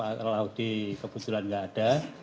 kalau di kebun julan tidak ada